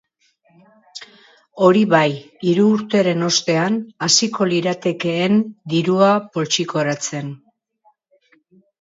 Hori bai, hiru urteren ostean hasiko liratekeen dirua poltsikoratzen.